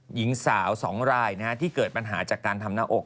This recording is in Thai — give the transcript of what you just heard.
หญิงสาว๒รายที่เกิดปัญหาจากการทำหน้าอก